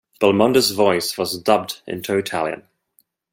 Belmondo's voice was dubbed into Italian.